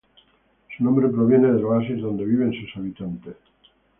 Su nombre proviene del oasis donde viven sus habitantes.